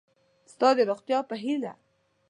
ستا د روغتیا په هیله